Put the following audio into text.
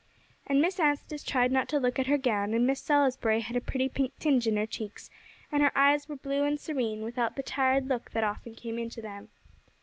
And Miss Anstice tried not to look at her gown; and Miss Salisbury had a pretty pink tinge in her cheeks, and her eyes were blue and serene, without the tired look that often came into them.